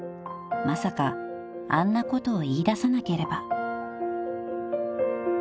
［まさかあんなことを言いださなければ］